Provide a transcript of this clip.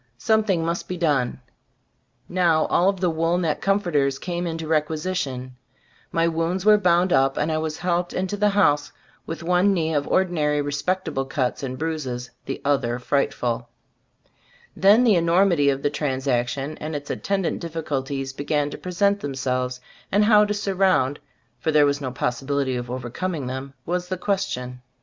Something must be done. Now all of the wool neck comforters came into requisition; my wounds were bound up, and I was helped into the house, with one knee of ordinary respectable cuts and bruises ; the other frightful. Then the enormity of the transaction and its attendant difficul ties began to present themselves, and Gbe Storg of As Cbtttbood 61 how to surround (for there was no possibility of overcoming them), was the question.